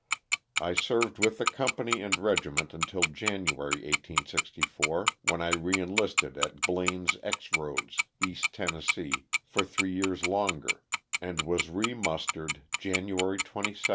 I served with the company and regiment until January, 1864, when I re enlisted at Blain's X Roads, East Tennessee, for three years longer, and was re mustered January 27, WILLIAM FIES.